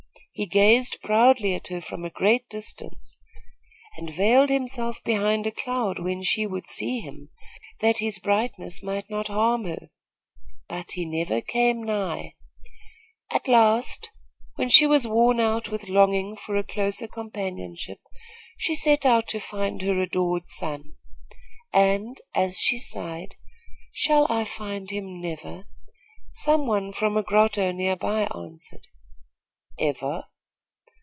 He gazed proudly at her from a great distance, and veiled himself behind a cloud when she would see him, that his brightness might not harm her; but he never came nigh. At last, when she was worn out with longing for a closer companionship, she set out to find her adored sun; and as she sighed, 'Shall I find him never?' some one from a grotto near by answered, 'Ever?'